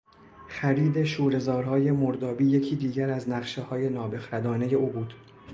خرید شورهزارهای مردابی یکی دیگر از نقشههای نابخردانهی او بود.